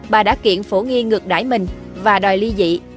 bà đã kiện phổ nghi ngược đại mình và đòi ly dị